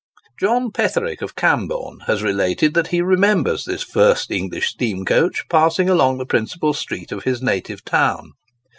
John Petherick, of Camborne, has related that he remembers this first English steam coach passing along the principal street of his native town.